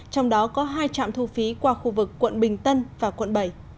trong đó có hai trạm thu phí qua khu vực quận bình tân và quận bảy